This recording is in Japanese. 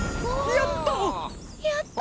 やったわ！